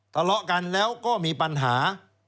ทะเลาะกันแล้วก็มีปัญหา